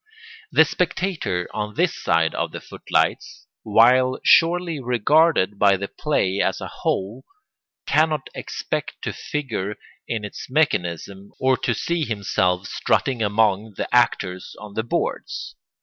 The spectator on this side of the foot lights, while surely regarded by the play as a whole, cannot expect to figure in its mechanism or to see himself strutting among the actors on the boards.